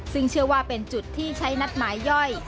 ซึ่งเชื่อว่าเป็นจุดที่ใช้นัดหมายย่อย